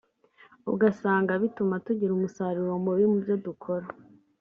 ugasanga bituma tugira umusaruro mubi mu byo dukora